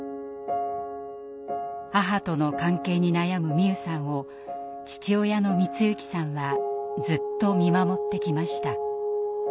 母との関係に悩む美夢さんを父親の光行さんはずっと見守ってきました。